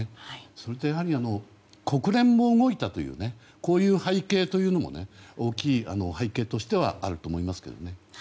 それとやはり国連も動いたというこういう背景というのも大きい背景としてはあると思いますけどね。